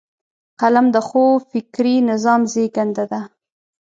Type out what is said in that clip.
قلم د ښو فکري نظام زیږنده ده